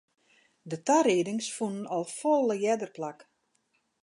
De tariedings fûnen al folle earder plak.